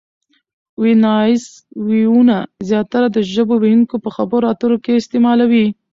ویناییز وییونه زیاتره د ژبو ویونکي په خبرو اترو کښي استعمالوي.